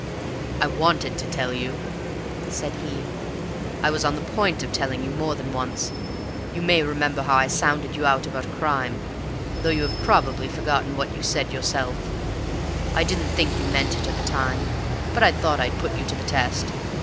"I wanted to tell you," said he. "I was on the point of telling you more than once. You may remember how I sounded you about crime, though you have probably forgotten what you said yourself. I didn't think you meant it at the time, but I thought I'd put you to the test.